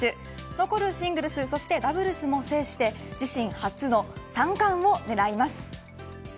残るシングルスそしてダブルスも制して自身初の三冠を狙います。